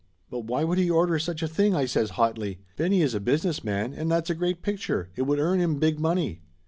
"But why should he order such a thing?" I says hotly. "Benny is a business man and that's a great picture. It would earn him big money."